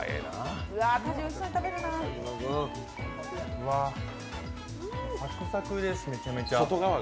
うわぁサクサクです、めちゃめちゃ。